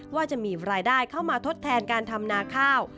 ว่าจะมีรายได้เข้ามาทดแทนการทำนาข้าว